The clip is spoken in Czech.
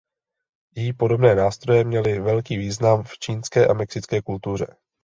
Jí podobné nástroje měly velký význam v čínské a mexické kultuře.